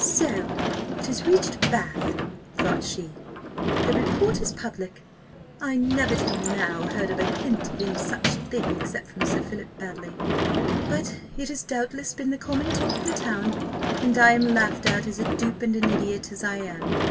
So it has reached Bath, thought she the report is public! I never till now heard a hint of any such thing except from Sir Philip Baddely; but it has doubtless been the common talk of the town, and I am laughed at as a dupe and an idiot, as I am.